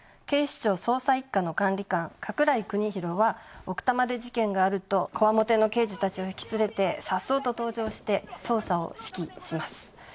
警視庁捜査一課の管理官加倉井国広は奥多摩で事件があるとこわもての刑事たちを引き連れて颯爽と登場して捜査を指揮します。